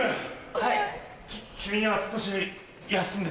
はい。